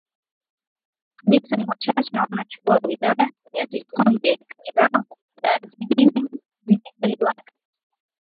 kabisa ni wachache na wanachukua wilaya ya Sikonge na Mirambo wilaya zingine zikikaliwa na